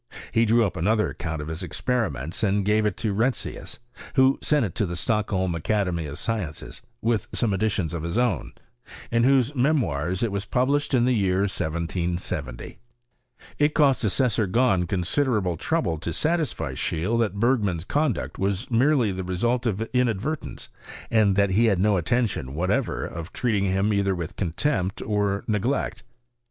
He drew up another account of his experiments and gave it to Retzius, who sent it to the Stockholm Academy of Sciences (with some additions of his own), in whose Memoirs it was published in the year 1770.* It cost Assessor Grahn considerable trouble to satisfy Seheele that Bergman's conduct was merely the result of in advertence, and that he had no intention whatever of treating him either with contempt or neglect.